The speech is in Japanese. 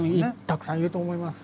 たくさんいると思います。